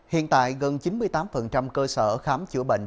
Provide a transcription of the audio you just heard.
hiện tại gần chín mươi tám cơ sở khám chữa bệnh